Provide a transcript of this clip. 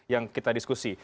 yang kita diskusi